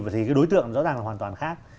vậy thì cái đối tượng rõ ràng là hoàn toàn khác